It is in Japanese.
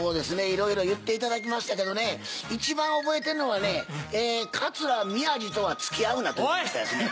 いろいろ言っていただきましたけどね一番覚えてるのはね桂宮治とは付き合うなと言ってましたですね。